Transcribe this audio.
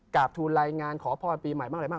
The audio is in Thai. กราบทูลรายงานขอพบปีใหม่มาก